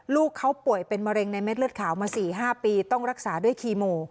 ลูกเขาป่วยเป็นมะเร็งในเม็ดเลือดขาวมา๔๕ปีต้องรักษาด้วยคีโม